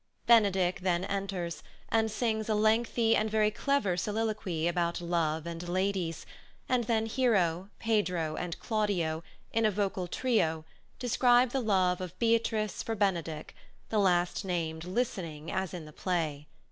Benedick then enters, and sings a lengthy and very clever soliloquy about love and ladies; and then Hero, Pedro, and Claudio, in a vocal trio, describe the love of Beatrice for Benedick, the last named listening as in the play.